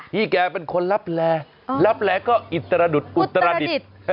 พี่แกเป็นคนรับแลรับแลก็อิตรดุษอุตรดิษฐ์